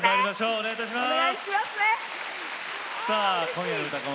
お願いいたします。